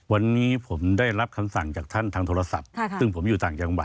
วันนี้ผมได้รับคำสั่งจากท่านทางโทรศัพท์ซึ่งผมอยู่ต่างจังหวัด